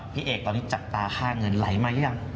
พี่เอกตอนนี้จับตาค่าเงินไหลมาหรือยัง